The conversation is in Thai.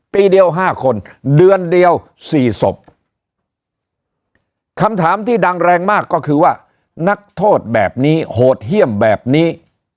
ปีเดียว๕คนเดือนเดียว๔ศพคำถามที่ดังแรงมากก็คือว่านักโทษแบบนี้โหดเยี่ยมแบบนี้